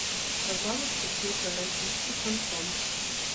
Казала, што слухае расійскі шансон.